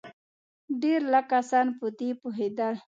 ډېر لږ کسان په دې پوهېدل.